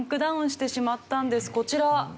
こちら。